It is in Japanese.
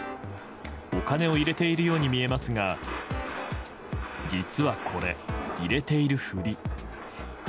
お金を入れているように見えますが実はこれ、入れているふり。